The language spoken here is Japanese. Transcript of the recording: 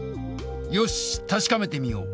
よし確かめてみよう。